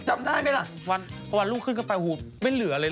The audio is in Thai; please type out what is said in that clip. จำได้ไหมล่ะวันพอวันลูกขึ้นเข้าไปหูไม่เหลือเลย